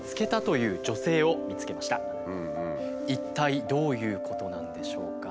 一体どういうことなんでしょうか？